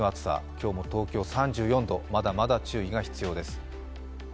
今日も東京３４度、まだまだ注意が必要です。